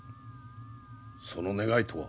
その願いとは？